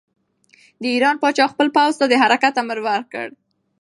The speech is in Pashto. د ایران پاچا خپل پوځ ته د حرکت امر ورکړ.